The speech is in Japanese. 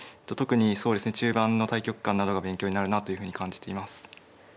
特にそうですね中盤の大局観などが勉強になるなというふうに感じています。